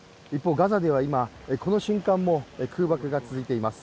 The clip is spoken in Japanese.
ガザでは今この瞬間も空爆が続いています